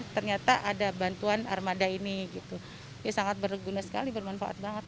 ternyata ada bantuan armada ini gitu ya sangat berguna sekali bermanfaat banget